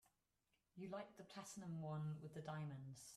You liked the platinum one with the diamonds.